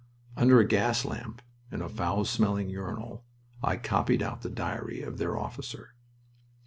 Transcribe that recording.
Under a gas lamp in a foul smelling urinal I copied out the diary of their officer.